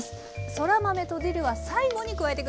そら豆とディルは最後に加えて下さい。